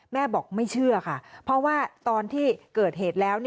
แม่บอกไม่เชื่อค่ะเพราะว่าตอนที่เกิดเหตุแล้ว